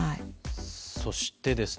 そしてですね